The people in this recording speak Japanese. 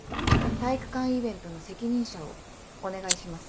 体育館イベントの責任者をお願いします。